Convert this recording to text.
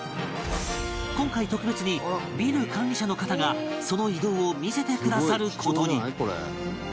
今回特別にビル管理者の方がその移動を見せてくださる事に